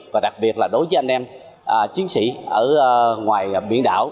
và đặc biệt là đối với anh em chiến sĩ ở ngoài biển đảo